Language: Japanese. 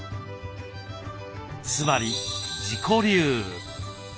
つまり自己流。